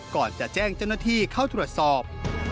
ก่อนจะแจ้งเจ้าหน้าที่เข้าตรวจสอบ